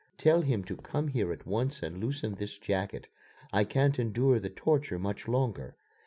"Tell him to come here at once and loosen this jacket. I can't endure the torture much longer.